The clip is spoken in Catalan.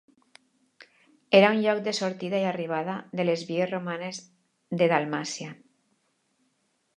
Era un lloc de sortida i arribada de les vies romanes de Dalmàcia.